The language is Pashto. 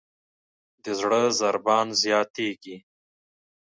د زړه ضربان زیاتېږي.